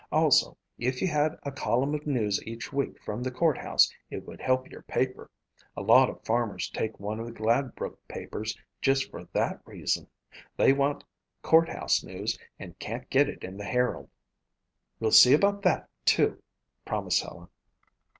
Also, if you had a column of news each week from the courthouse it would help your paper. A lot of farmers take one of the Gladbrook papers just for that reason. They want courthouse news and can't get it in the Herald." "We'll see about that, too," promised Helen.